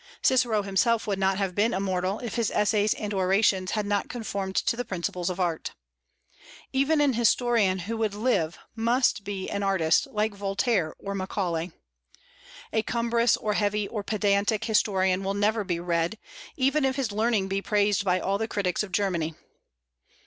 Cicero himself would not have been immortal, if his essays and orations had not conformed to the principles of art. Even an historian who would live must be an artist, like Voltaire or Macaulay. A cumbrous, or heavy, or pedantic historian will never be read, even if his learning be praised by all the critics of Germany.